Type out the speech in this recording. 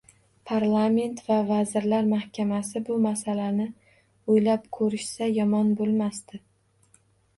Parlament va Vazirlar Mahkamasi bu masalani oʻylab koʻrishsa yomon boʻlmasdi.